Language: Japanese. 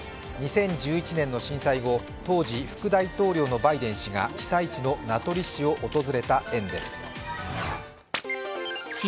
２０１１年の震災後、当時副大統領のバイデン氏が被災地の名取市を訪れた縁です。